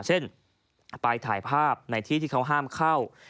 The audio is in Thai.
เช่นไปถ่ายภาพในที่ที่เขาห้ามเข้า